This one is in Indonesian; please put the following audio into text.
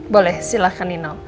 boleh silahkan nino